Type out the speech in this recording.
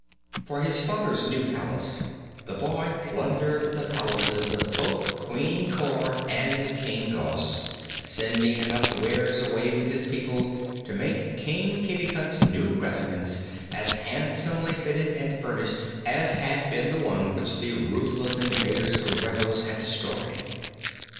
For his father's new palace the boy plundered the palaces of both Queen Cor and King Gos, sending enough wares away with his people to make King Kitticut's new residence as handsomely fitted and furnished as had been the one which the ruthless invaders from Regos had destroyed.